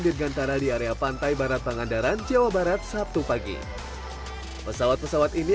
dirgantara di area pantai barat pangandaran jawa barat sabtu pagi pesawat pesawat ini